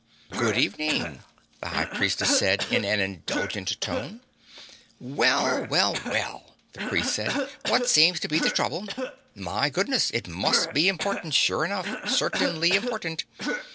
"Good evening," the High Priestess said in an indulgent tone. "Well, well, well," the priest said. "What seems to be the trouble? My goodness. It must be important, sure enough certainly important."